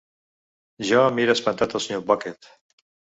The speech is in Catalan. Jo mira espantat el Sr. Bucket.